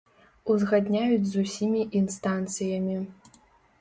Узгадняюць з усімі інстанцыямі.